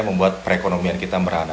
membuat perekonomian kita merana